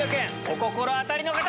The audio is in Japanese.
お心当たりの方！